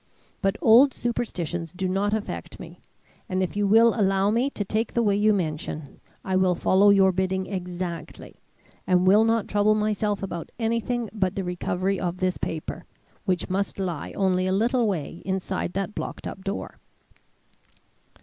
But old superstitions do not affect me, and if you will allow me to take the way you mention, I will follow your bidding exactly, and will not trouble myself about anything but the recovery of this paper, which must lie only a little way inside that blocked up door."